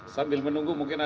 sambil menunggu mungkin ada